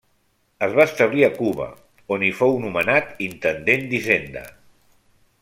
Es va establir a Cuba, on hi fou nomenat Intendent d'Hisenda.